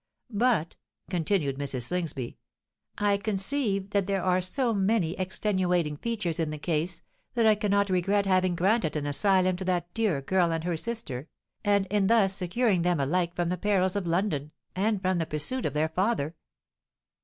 But," continued Mrs. Slingsby, "I conceive that there are so many extenuating features in the case, that I cannot regret having granted an asylum to that dear girl and her sister, and in thus securing them alike from the perils of London, and from the pursuit of their father."